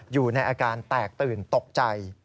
อยู่ในอาการแตกตื่นตกใจ